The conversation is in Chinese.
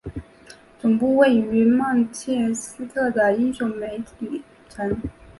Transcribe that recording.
总部位于曼彻斯特的英国媒体城。